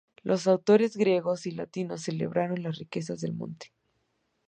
Los autores griegos y latinos celebraron las riquezas del monte.